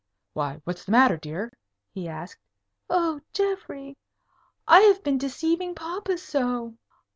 "Why, what's the matter, dear?" he asked. "Oh, Geoffrey! I have been deceiving papa so."